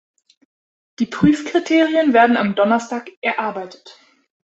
Die Prüfkriterien werden am Donnerstag erarbeitet.